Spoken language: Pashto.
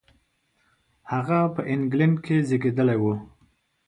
هغه په انګلېنډ کې زېږېدلی و.